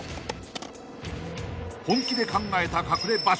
［本気で考えた隠れ場所］